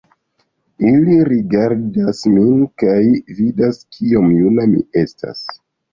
Ili rigardas min, kaj vidas kiom juna mi estas.